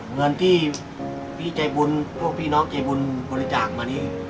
เงินที่พี่ใจบุญพวกพี่น้องใจบุญบริจาคมานี้